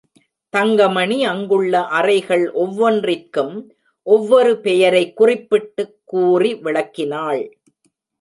தங்கமணி அங்குள்ள அறைகள் ஒவ்வொன்றிற்கும், ஒவ்வொரு பெயரை குறிப்பிட்டு கூறி விளக்கினாள்.